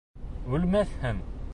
Үлмәҫһең.